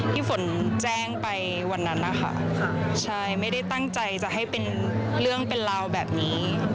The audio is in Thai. พี่ฝนแจ้งไปวันนั้นนะคะใช่ไม่ได้ตั้งใจจะให้เป็นเรื่องเป็นราวแบบนี้